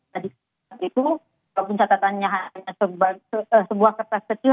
tadi saat itu pencatatannya hanya sebuah kertas kecil